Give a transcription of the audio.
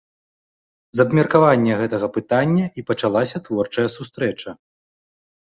З абмеркавання гэтага пытання і пачалася творчая сустрэча.